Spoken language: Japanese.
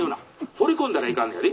放り込んだらいかんのやで？